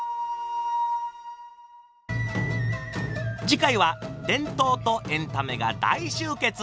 次回は伝統とエンタメが大集結。